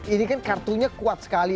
ini kan kartunya kuat sekali